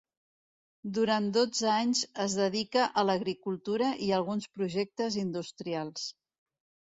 Durant dotze anys es dedica a l'agricultura i a alguns projectes industrials.